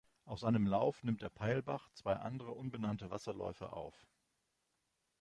Auf seinem Lauf nimmt der Pailbach zwei andere unbenannte Wasserläufe auf.